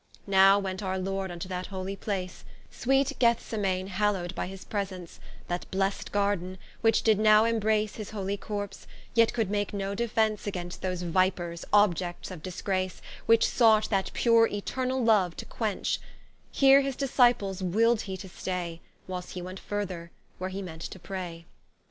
Now went our Lord vnto that holy place, Sweet Gethsemaine hallowed by his presence, That blessed Garden, which did now embrace His holy corps, yet could make no defence Against those Vipers, obiects of disgrace, Which sought that pure eternall Loue to quench: Here his Disciples willed he to stay, Whilst he went further, where he meant to pray.